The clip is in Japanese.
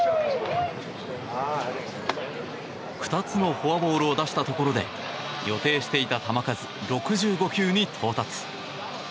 ２つのフォアボールを出したところで予定していた球数６５球に到達。